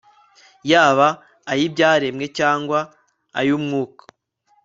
yaba ayibyaremwe cyangwa aya Mwuka